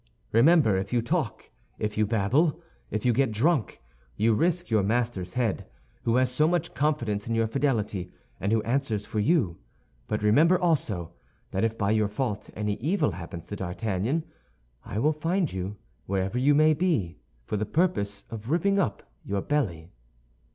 Remember, if you talk, if you babble, if you get drunk, you risk your master's head, who has so much confidence in your fidelity, and who answers for you. But remember, also, that if by your fault any evil happens to D'Artagnan, I will find you, wherever you may be, for the purpose of ripping up your belly."